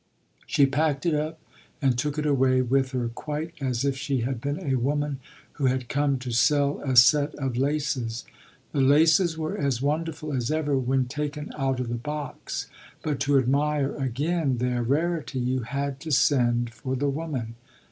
She packed it up and took it away with her quite as if she had been a woman who had come to sell a set of laces. The laces were as wonderful as ever when taken out of the box, but to admire again their rarity you had to send for the woman.